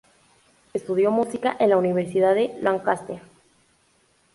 Estudió música en la Universidad de Lancaster.